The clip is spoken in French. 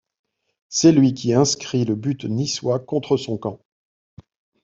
C'est lui qui inscrit le but niçois contre son camp.